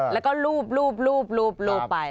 แล้วก็ลูบไป